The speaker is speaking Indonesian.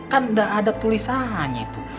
kan tidak ada tulisannya itu